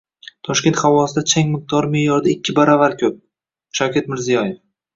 Toshkent havosida chang miqdori me’yoridan ikki baravar ko‘p – Shavkat Mirziyoyev